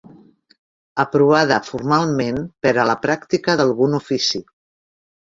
Aprovada formalment per a la pràctica d'algun ofici.